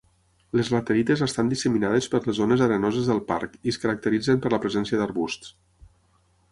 Les laterites estan disseminades per les zones arenoses del parc i es caracteritzen per la presència d'arbusts.